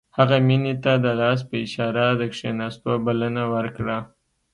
هغه مينې ته د لاس په اشاره د کښېناستو بلنه ورکړه.